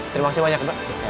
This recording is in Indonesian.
terima kasih banyak pak